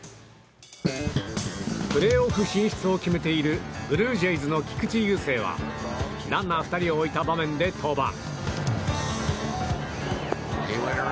プレーオフ進出を決めているブルージェイズの菊池雄星はランナー２人を置いた場面で登板。